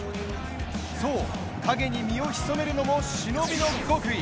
そう、影に身を潜めるのも忍びの極意。